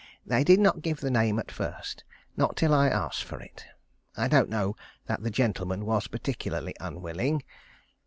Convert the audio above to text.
They did not give the name at first. Not till I asked for it. I don't know that the gentleman was particularly unwilling.